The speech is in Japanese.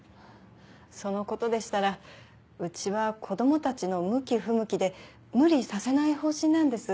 そのことでしたらうちは子供たちの向き不向きで無理させない方針なんです。